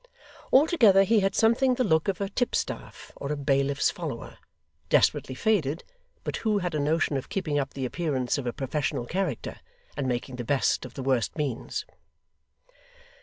Altogether, he had something the look of a tipstaff, or a bailiff's follower, desperately faded, but who had a notion of keeping up the appearance of a professional character, and making the best of the worst means.